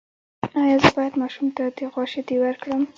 ایا زه باید ماشوم ته د غوا شیدې ورکړم؟